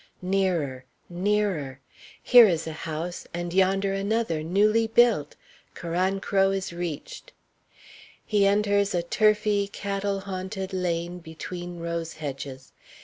Nearer; nearer; here is a house, and yonder another, newly built. Carancro is reached. He enters a turfy, cattle haunted lane between rose hedges.